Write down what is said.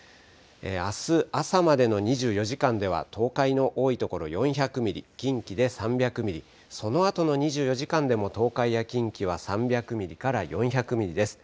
あす朝までの２４時間では東海の多い所、４００ミリ、近畿で３００ミリ、そのあとの２４時間でも東海や近畿は３００ミリから４００ミリです。